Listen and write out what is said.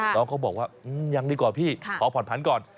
น้องเขาบอกว่ายังดีกว่าพี่ขอผ่อนผันก่อน